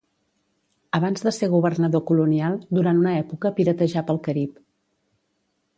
Abans de ser governador colonial, durant una època piratejà pel Carib.